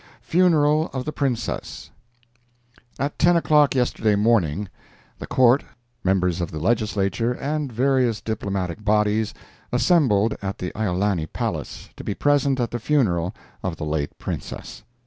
FUNERAL OF THE PRINCESS At ten o'clock yesterday morning, the court, members of the legislature and various diplomatic bodies assembled at the Iolani Palace, to be present at the funeral of the late Princess.